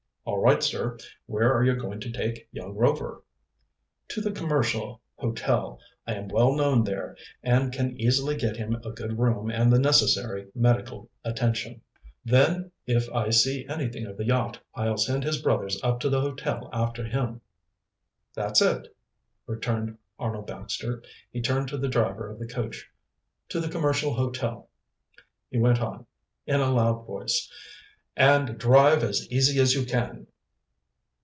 "All right, sir. Where are you going to take young Rover?" "To the Commercial Hotel. I am well known there, and can easily get him a good room and the necessary medical attention." "Then, if I see anything of the yacht, I'll send his brothers up to the hotel after him." "That's it," returned Arnold Baxter. He turned to the driver of the coach. "To the Commercial Hotel," he went on, in a loud voice. "And drive as easy as you can."